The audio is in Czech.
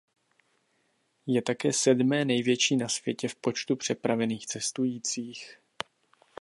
Je také sedmé největší na světě v počtu přepravených cestujících.